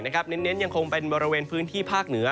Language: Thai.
เน้นยังคงเป็นบริเวณพื้นที่ภาคเหนือ